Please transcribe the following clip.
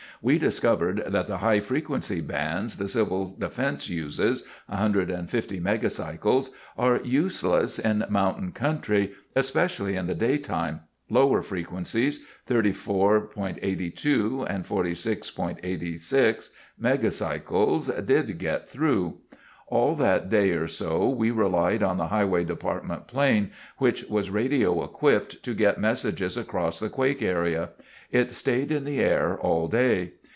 We discovered that the high frequency bands the Civil Defense uses (150 megacycles) are useless in mountain country, especially in the day time. Lower frequencies, 34.82 and 46.86 megacycles did get through. "All that first day or so, we relied on the Highway Department plane, which was radio equipped, to get messages across the quake area. It stayed in the air all day.